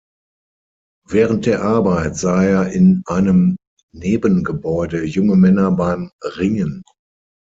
Während der Arbeit sah er in einem Nebengebäude junge Männer beim Ringen.